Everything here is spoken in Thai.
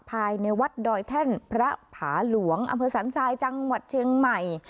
ภายในวัดดอยแท่นพระผาหลวงอำเภอสันทรายจังหวัดเชียงใหม่